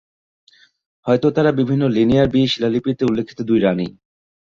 হয়তো তারা বিভিন্ন লিনিয়ার বি শিলালিপিতে উল্লিখিত "দুই রাণী"।